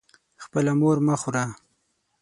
خپله مور مه خوره.